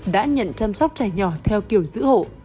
đã nhận chăm sóc trẻ nhỏ theo kiểu giữ hộ